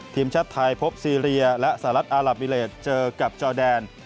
ทีมชาติไทยพบซีเรียและสหรัฐอารับมิเลสเจอกับจอแดน